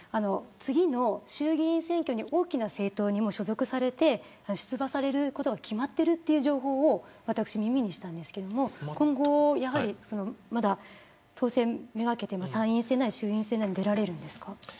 次の衆議院選挙に大きな政党に所属されて出馬されることが決まっている情報を私、耳にしたんですけれども今後、当選、目掛けて参院選なり衆院選なり出られるんですか。